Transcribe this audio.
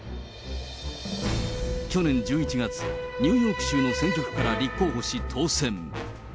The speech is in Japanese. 去年１１月、ニューヨーク州の選挙区から立候補し、当選。